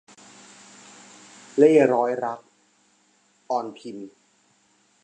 เล่ห์ร้อยรัก - อรพิม